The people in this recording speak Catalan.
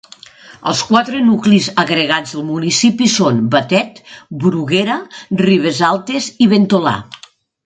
Els quatre nuclis agregats del municipi són Batet, Bruguera, Ribes Altes i Ventolà.